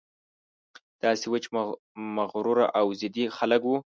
داسې وچ مغروره او ضدي خلک وو.